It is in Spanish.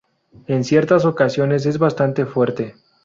En ciertas ocasiones es bastante fuerte.